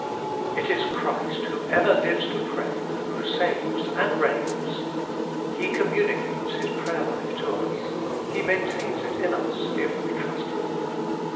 It is Christ who ever lives to pray, who saves and reigns. He communicates His prayer life to us: He maintains it in us if we trust Him.